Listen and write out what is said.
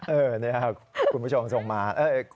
เออนี่ค่ะคุณผู้ชมส่งมา